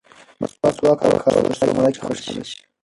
مسواک وکاروه ترڅو ملایکې خوشحاله شي.